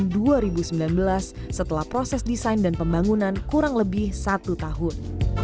mas lukman dari sepelihara dari dua ribu sembilan belas setelah proses desain dan pembangunan kurang lebih satu tahun